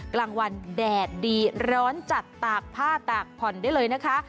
กลางวันแดดดีร้อนจัดตากผ้าตากผ่อนได้เลยนะคะ